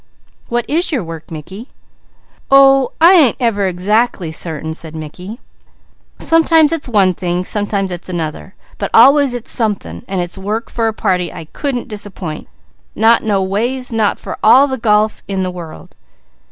"What is your work Mickey?" "Oh I ain't ever exactly certain," said Mickey. "Sometimes it is one thing, sometimes it is another, but always it's something, and it's work for a party I couldn't disappoint, not noways, not for all the golf in the world."